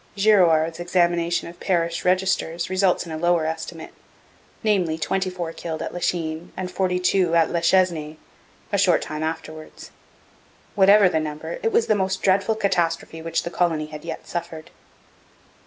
Girouard's examination of parish registers results in a lower estimate namely, twenty four killed at Lachine and forty two at La Chesnaye, a short time afterwards. Whatever the number, it was the most dreadful catastrophe which the colony had yet suffered.